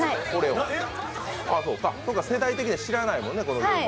世代的には知らないもんね。